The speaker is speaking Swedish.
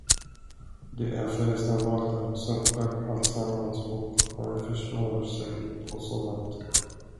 Det är för resten Walter, som skött alltsammans, och han förstår sig på sådant.